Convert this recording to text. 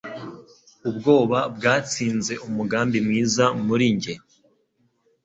ubwoba bwatsinze umugambi mwiza muri njye